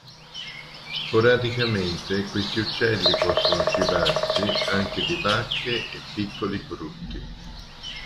Sporadicamente, questi uccelli possono cibarsi anche di bacche e piccoli frutti.